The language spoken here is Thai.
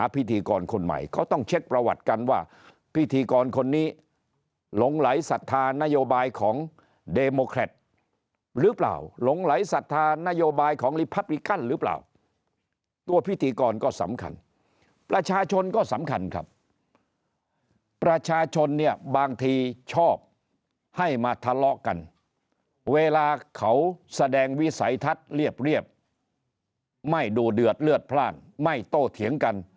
พิธีกรคนใหม่เขาต้องเช็คประวัติกันว่าพิธีกรคนนี้หลงไหลศรัทธานโยบายของเดโมแครตหรือเปล่าหลงไหลศรัทธานโยบายของลิพับริกันหรือเปล่าตัวพิธีกรก็สำคัญประชาชนก็สำคัญครับประชาชนเนี่ยบางทีชอบให้มาทะเลาะกันเวลาเขาแสดงวิสัยทัศน์เรียบไม่ดูเดือดเลือดพล่างไม่โตเถียงกัน